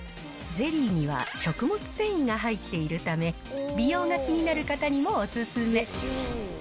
ゼリーには、食物繊維が入っているため、美容が気になる方にもお勧め。